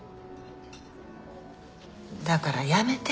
だからやめて。